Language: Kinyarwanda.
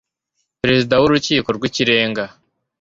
perezida wu rukiko rwikirenga